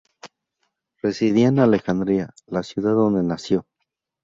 Residía en Alejandría, la ciudad donde nació.